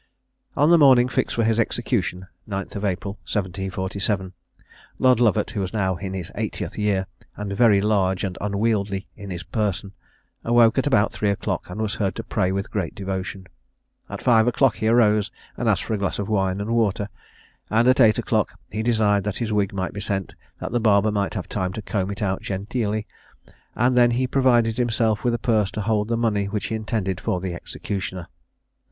On the morning fixed for his execution, 9th April 1747, Lord Lovat, who was now in his 80th year, and very large and unwieldy in his person, awoke at about three o'clock, and was heard to pray with great devotion. At five o'clock he arose, and asked for a glass of wine and water, and at eight o'clock, he desired that his wig might be sent, that the barber might have time to comb it out genteelly, and he then provided himself with a purse to hold the money which he intended for the executioner.